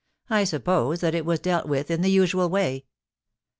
* I suppose chat it was deak with m the osoal wav.'